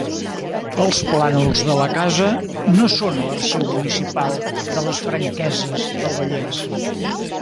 Els plànols de la casa no són a l'arxiu municipal de les Franqueses del Vallès.